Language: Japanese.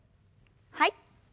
はい。